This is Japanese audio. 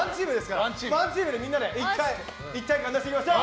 ワンチームでみんなで一体感出していきましょう！